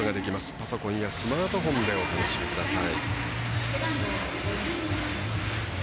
パソコンやスマートフォンでお楽しみください。